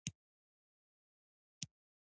اداري ارشیفونه ورځ تر بلې پراخېدل.